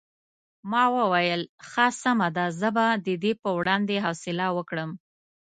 ما وویل ښه سمه ده زه به د دې په وړاندې حوصله وکړم.